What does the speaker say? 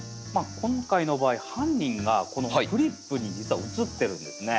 今回の場合犯人がこのフリップに実は写ってるんですね。